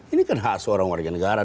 ini kan hak seorang warga negara